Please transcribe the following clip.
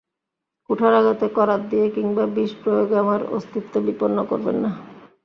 কুঠারাঘাতে, করাত দিয়ে কিংবা বিষ প্রয়োগে আমার অস্তিত্ব বিপন্ন করবেন না।